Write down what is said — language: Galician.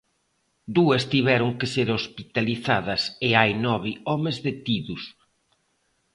Dúas tiveron que ser hospitalizadas e hai nove homes detidos.